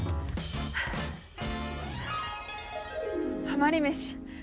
ハマり飯。